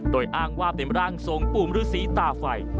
โดยอ้างว่าเป็นร่างทรงปู่มฤษีตาไฟ